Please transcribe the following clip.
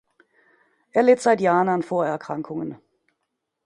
Er litt seit Jahren an Vorerkrankungen.